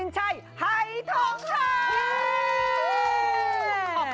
โปรดติดตามต่อไป